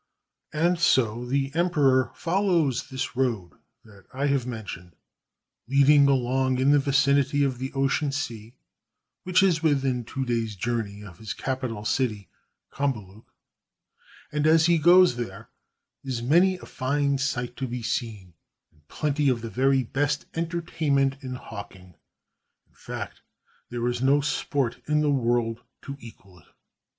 And so the emperor follows this road that I have mentioned, leading along in the vicinity of the Ocean Sea (which is within two days' journey of his capital city, Cambaluc), and as he goes there is many a fine sight to be seen and plenty of the very best entertain ment in hawking; in fact, there is no sport in the world to equal it!